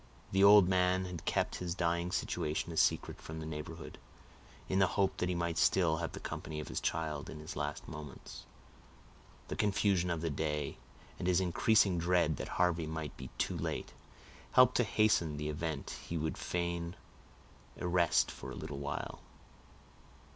The old man had kept his dying situation a secret from the neighborhood, in the hope that he might still have the company of his child in his last moments. The confusion of the day, and his increasing dread that Harvey might be too late, helped to hasten the event he would fain arrest for a little while.